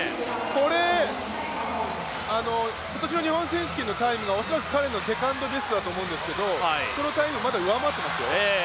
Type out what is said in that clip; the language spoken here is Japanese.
これ、今年の日本選手権のタイムが恐らく彼のセカンドベストだと思うんですけどそのタイム、上回っていますよ。